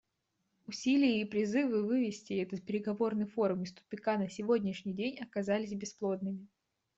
Усилия и призывы вывести этот переговорный форум из тупика на сегодняшний день оказались бесплодными.